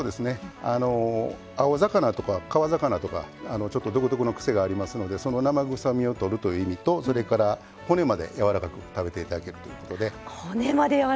青魚とか川魚とかちょっと独特の癖がありますので生臭みをとるという意味とそれから骨まで、やわらかく食べていただけるということで。